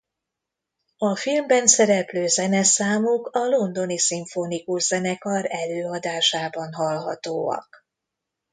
A filmben szereplő zeneszámok a Londoni Szimfonikus Zenekar előadásában hallhatóak.